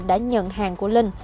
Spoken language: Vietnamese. đã nhận hàng của linh